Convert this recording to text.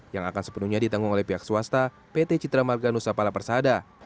yang akan sepenuhnya ditanggung oleh pihak swasta pt citra marga nusapala persada